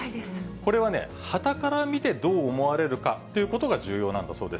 これはね、はたから見てどう思われるかっていうことが重要なんだそうです。